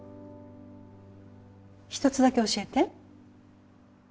一つだけ教えて。